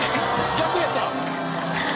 逆やった。